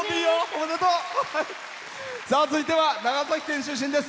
続いては長崎県出身です。